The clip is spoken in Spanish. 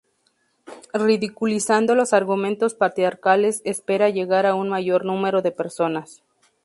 Ridiculizando los argumentos patriarcales espera llegar a un mayor número de personas.